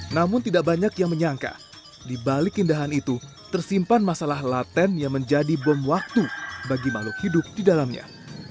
namun tidak banyak yang menyangka di balik indahan itu tersimpan masalah laten yang menjadi bom waktu bagi makhluk hidup di dalamnya